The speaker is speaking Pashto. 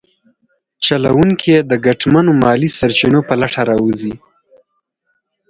چلونکي یې د ګټمنو مالي سرچینو په لټه راوځي.